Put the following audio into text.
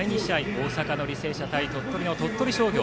大阪の履正社対鳥取の鳥取商業。